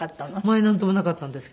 前なんともなかったんですけど。